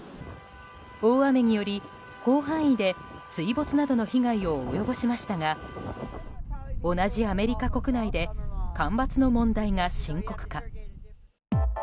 大雨により広範囲で水没などの被害を及ぼしましたが同じアメリカ国内で干ばつの問題が深刻化。